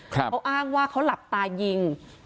เขาอ้างว่าเขาหลับตายิง